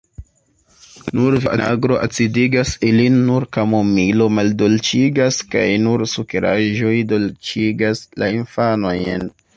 Nur vinagro acidigas ilin, nur kamomilo maldolĉigas, kaj nur sukeraĵoj dolĉigas la infanojn.